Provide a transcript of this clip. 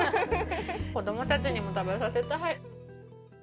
子供たちにも食べさせたい。